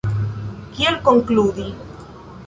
Kiel konkludi?